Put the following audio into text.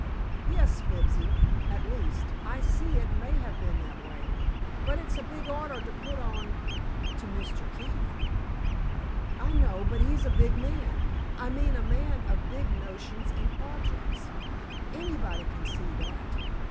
"Yes, Fibsy—at least, I see it may have been that way. But it's a big order to put on—to Mr. Keefe." "I know, but he's a big man. I mean a man of big notions and projects. Anybody can see that.